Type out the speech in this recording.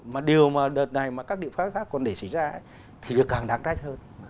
mà điều mà đợt này mà các địa phương khác còn để xảy ra thì càng đáng trách hơn